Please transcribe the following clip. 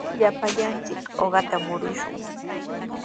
Llapallanchik uqata murumushun.